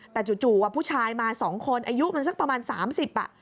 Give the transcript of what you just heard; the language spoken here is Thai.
แต่จู่ว่าผู้ชายมาสองคนอายุมันสักประมาณสามสิบอ่ะ